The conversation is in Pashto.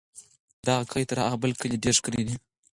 دغه کلی تر هغه بل کلي ډېر ښکلی دی.